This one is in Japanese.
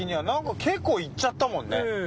何か結構いっちゃったもんね